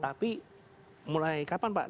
tapi mulai kapan pak